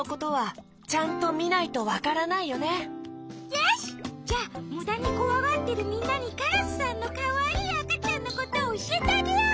よしじゃむだにこわがってるみんなにカラスさんのかわいいあかちゃんのことをおしえてあげよう！